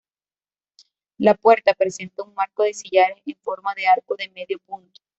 La puerta, presenta un marco de sillares en forma de arco de medio punto.